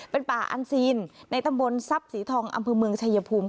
เป็นป่าอันซีนในตำบลทรัพย์สีทองอำเภอเมืองชายภูมิ